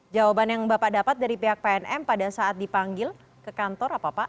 jawaban yang bapak dapat dari pihak pnm pada saat dipanggil ke kantor apa pak